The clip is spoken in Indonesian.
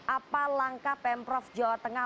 apa langkah pemprov jawa tengah